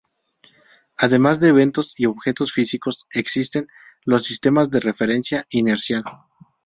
Además de eventos y objetos físicos, existen los sistemas de referencia inercial.